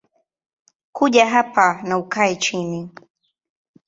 Kuja hapa na ukae chini